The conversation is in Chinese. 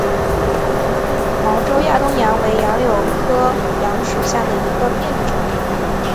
毛轴亚东杨为杨柳科杨属下的一个变种。